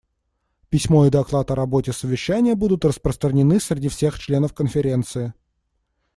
Письмо и доклад о работе совещания будут распространены среди всех членов Конференции.